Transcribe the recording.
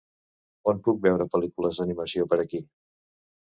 On puc veure pel·lícules d'animació per aquí?